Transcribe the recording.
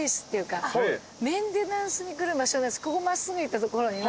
ここ真っすぐ行った所には。